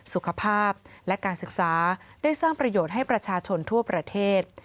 สุขภาพและการศึกษาได้สร้างประโยชน์ให้ประชาชนทั่วประเทศ